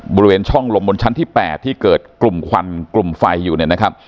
บริเวณช่องลมบนชั้นที่๘ที่เกิดกลุ่มควันกลุ่มไฟอยู่เนี่ยนะครับ